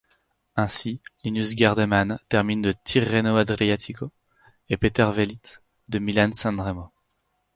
Ainsi, Linus Gerdemann termine de Tirreno-Adriatico, et Peter Velits de Milan-San Remo.